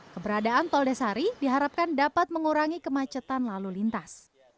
keberadaan tol desari diharapkan dapat mengurangi kemacetan lalu lintas